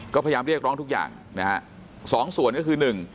ก็พยายามเรียกร้องทุกอย่างนะฮะสองส่วนก็คือหนึ่ง